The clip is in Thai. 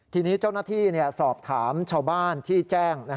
ทีนี้เจ้าหน้าที่สอบถามชาวบ้านที่แจ้ง